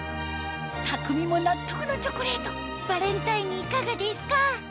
匠も納得のチョコレートバレンタインにいかがですか？